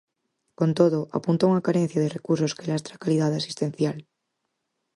Con todo, apunta unha carencia de recursos que lastra a calidade asistencial.